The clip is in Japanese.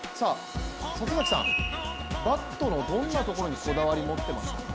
里崎さん、バットのどんなところにこだわり持ってました？